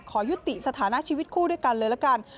ขอยุติสถานะชีวิตคู่ด้วยกันเลยละกัน